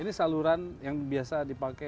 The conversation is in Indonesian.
ini saluran yang biasa dipakai